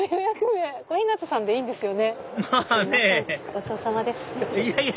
ごちそうさまです。